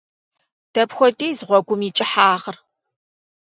Дапхуэдиз гъуэгум и кӏыхьагъыр?